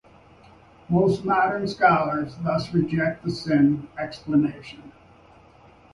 Most modern scholars thus reject the sin explanation.